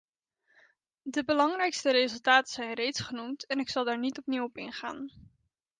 De belangrijkste resultaten zijn reeds genoemd en ik zal daar niet opnieuw op ingaan.